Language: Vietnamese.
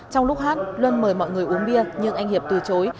trong lúc hát luân mời mọi người uống bia nhưng anh hiệp từ chối